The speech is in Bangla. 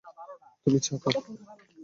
তুমি চা খাও।